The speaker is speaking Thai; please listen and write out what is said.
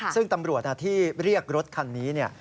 ซึ่งตำรวจที่เรียกรถคันนี้เนี่ย